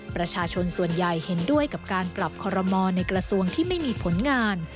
ประชาชนส่วนใหญ่เห็นด้วยกับการปรับคอรมอลในกระทรวงที่ไม่มีผลงาน